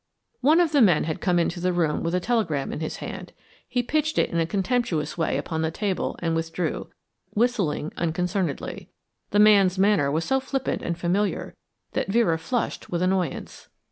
One of the men had come into the room with a telegram in his hand. He pitched it in a contemptuous way upon the table and withdrew, whistling unconcernedly. The man's manner was so flippant and familiar that Vera flushed with annoyance.